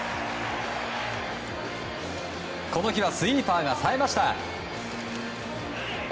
この日はスイーパーがさえました。